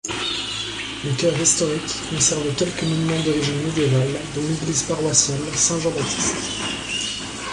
Le cœur historique conserve quelques monuments d'origine médiévale, dont l'église paroissiale Saint-Jean-Baptiste.